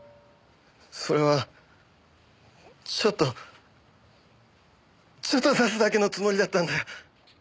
それはちょっとちょっと刺すだけのつもりだったんだよ。